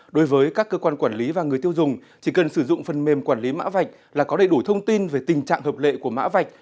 đối với các cơ quan quản lý và người tiêu dùng chỉ cần sử dụng phần mềm quản lý mã vạch là có đầy đủ thông tin về tình trạng hợp lệ của mã vạch